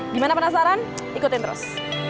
gimana penasaran ikutin terus